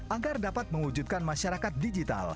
agar dapat mewujudkan masyarakat digital